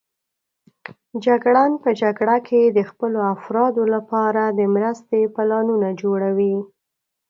جګړن په جګړه کې د خپلو افرادو لپاره د مرستې پلانونه جوړوي.